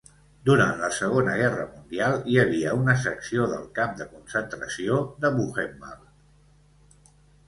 Durant la Segona Guerra Mundial hi havia una secció del camp de concentració de Buchenwald.